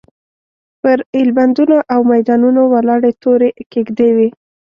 پر ایلبندونو او میدانونو ولاړې تورې کېږدۍ وې.